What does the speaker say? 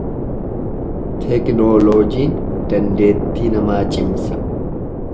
Teknooloojiin dandeettii namaa cimsa.